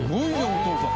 お父さん。